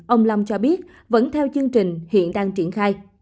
ông lâm cho biết vẫn theo chương trình hiện đang triển khai